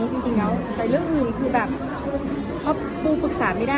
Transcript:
คือแบบเพราะเค้าพูด